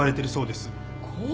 怖っ！